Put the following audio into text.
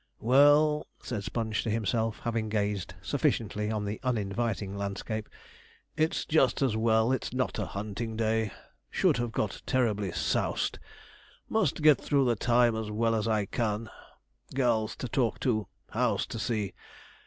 'Well,' said Sponge to himself, having gazed sufficiently on the uninviting landscape, 'it's just as well it's not a hunting day should have got terribly soused. Must get through the time as well as I can girls to talk to house to see.